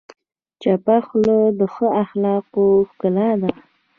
چپه خوله، د ښه اخلاقو ښکلا ده.